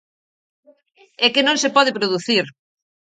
É que non se pode producir.